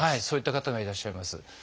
そういった方がいらっしゃいます。